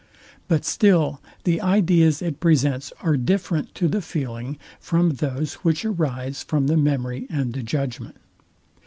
But still the ideas it presents are different to the feeling from those, which arise from the memory and the judgment.